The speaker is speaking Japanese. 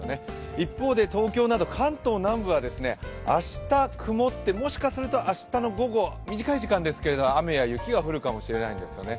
一方で東京など関東南部は明日、曇ってもしかすると明日の午後、短い時間ですけど雨や雪が降るかもしれないんですね。